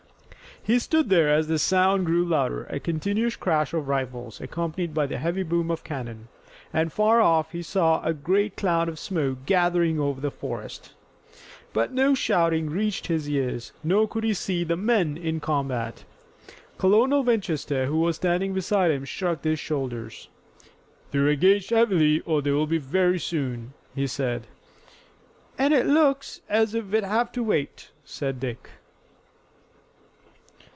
He stood there as the sound grew louder, a continuous crash of rifles, accompanied by the heavy boom of cannon, and far off he saw a great cloud of smoke gathering over the forest. But no shouting reached his ears, nor could he see the men in combat. Colonel Winchester, who was standing beside him, shrugged his shoulders. "They're engaged heavily, or they will be very soon," he said. "And it looks as if we'd have to wait," said Dick.